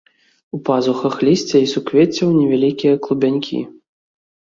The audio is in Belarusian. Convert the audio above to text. У пазухах лісця і суквеццяў невялікія клубянькі.